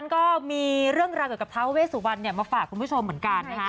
ก็มีเรื่องราวเกี่ยวกับท้าเวสุวรรณมาฝากคุณผู้ชมเหมือนกันนะคะ